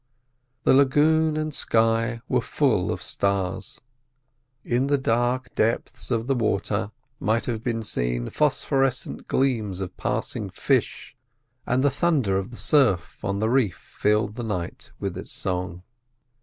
The lagoon and sky were full of stars. In the dark depths of the water might have been seen phosphorescent gleams of passing fish, and the thunder of the surf on the reef filled the night with its song.